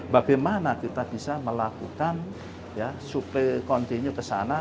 bagaimana kita bisa melakukan ya supply continue kesana